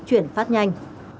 chuyển phát nhanh